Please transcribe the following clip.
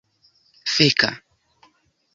feka